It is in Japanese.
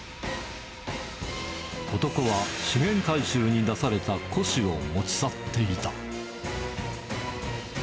男は資源回収に出された古紙を持ち去っていた。